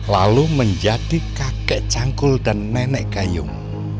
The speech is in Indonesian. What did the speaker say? lalu menjadi kakek cangkul dan nenek gayung